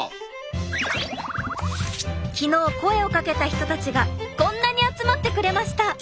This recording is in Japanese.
昨日声をかけた人たちがこんなに集まってくれました！